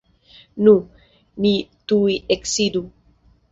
Nu, ni tuj eksidu.